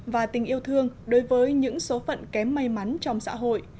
và tình yêu thương đối với những số phận kém may mắn trong xã hội